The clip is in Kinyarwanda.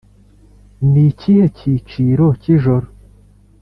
ni ikihe giciro cyijoro?